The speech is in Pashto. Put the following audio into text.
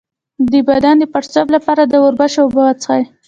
د بدن د پړسوب لپاره د وربشو اوبه وڅښئ